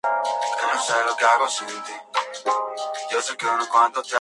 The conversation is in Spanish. Para completar el proyecto, Gilbert fue contratado a tiempo completo.